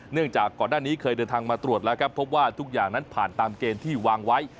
จากก่อนหน้านี้เคยเดินทางมาตรวจแล้วครับพบว่าทุกอย่างนั้นผ่านตามเกณฑ์ที่วางไว้